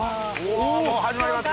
もう始まりますよ。